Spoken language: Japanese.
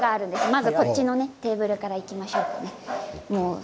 まずこっちのテーブルからいきましょうね。